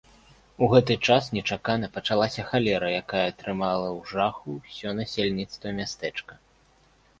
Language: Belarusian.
У гэты час нечакана пачалася халеры, якая трымала ў жаху ўсё насельніцтва мястэчка.